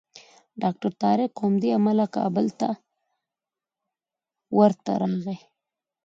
ډاکټر طارق همدې امله کابل ته ورته راغی.